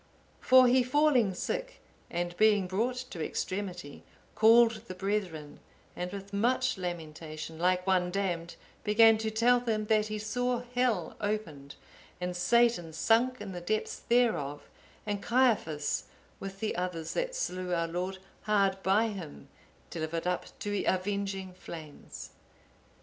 For he falling sick, and being brought to extremity, called the brethren, and with much lamentation, like one damned, began to tell them, that he saw Hell opened, and Satan sunk in the depths thereof; and Caiaphas, with the others that slew our Lord, hard by him, delivered up to avenging flames.